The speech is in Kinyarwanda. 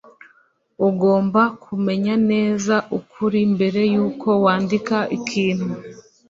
ugomba kumenya neza ukuri mbere yuko wandika ikintu